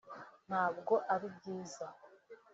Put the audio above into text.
Ntabwo ari byiza